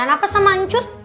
kenapa sama uncut